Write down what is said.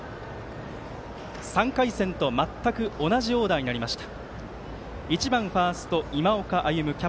３回戦と全く同じオーダーになりました。